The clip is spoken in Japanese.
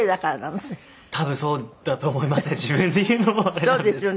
多分そうだと思いますね。